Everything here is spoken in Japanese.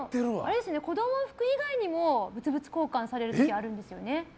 でも子供服以外にも物々交換される時あるんですよね。